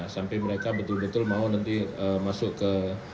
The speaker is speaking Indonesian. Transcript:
sampai mereka betul betul mau nanti masuk ke